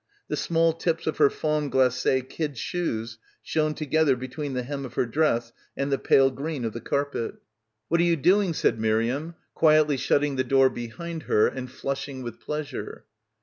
The small tips of her fawn glace kid shoes shone together between the hem of her dress and the pale green of the carpet. "What you doing?" said Miriam, quietly shut ting the door behind her and flushing with pleas ure.